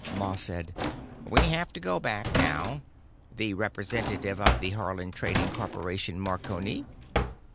Ma said, "We have to go back now, The Representative of the Haarland Trading Corporation Marconi."